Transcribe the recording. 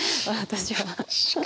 私は。